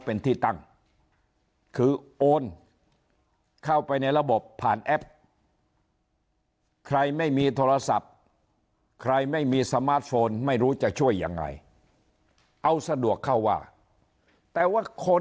เป็นที่ตั้งคือโอนเข้าไปในระบบผ่านแอป